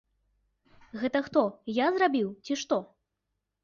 Гэта хто, я зрабіў, ці што?